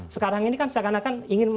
sekarang ini kan seakan akan ingin